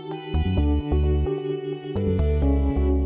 kita mampus kalau digelar wajah